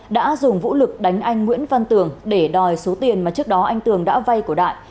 đã dùng vũ lực đánh anh nguyễn văn tường để đòi số tiền mà trước đó anh tường đã vay của đại